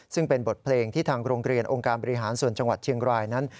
ซึ่งเป็นบทเพลงที่ทางโรงเรียนองค์การบริหารส่วนจังหวัดเชียงรายนั้น